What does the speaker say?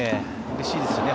うれしいですよね